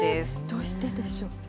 どうしてでしょう。